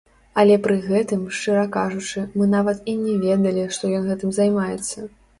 Але пры гэтым, шчыра кажучы, мы нават і не ведалі, што ён гэтым займаецца.